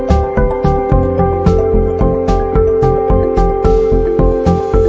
จริงจริงจริงจริงจริงจริงจริงจริงพี่แจ๊คเฮ้ยสวยนะเนี่ยเป็นเล่นไป